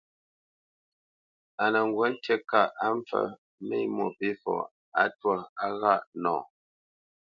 A nə ŋgǔ ŋtí kâʼ á mpfə́ mé Mwôpéfɔ á twâ á ghâʼ nɔ.